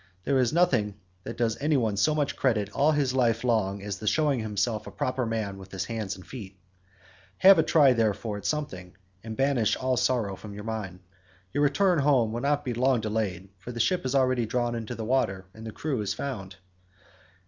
There is nothing that does any one so much credit all his life long as the showing himself a proper man with his hands and feet. Have a try therefore at something, and banish all sorrow from your mind. Your return home will not be long delayed, for the ship is already drawn into the water, and the crew is found."